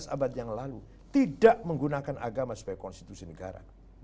dua belas abad yang lalu tidak menggunakan agama sebagai konstitusi negara